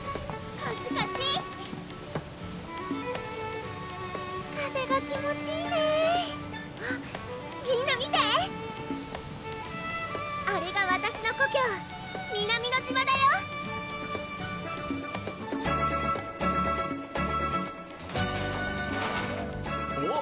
こっち風が気持ちいいねみんな見てあれがわたしの故郷・南乃島だよおっ？